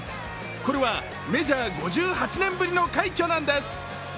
これはメジャー５８年ぶりの快挙なんです。